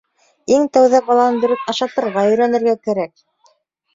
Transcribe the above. Иң тәүҙә баланы дөрөҫ ашатырға өйрәнергә кәрәк.